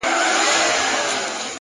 هره ورځ د بدلون فرصت دی،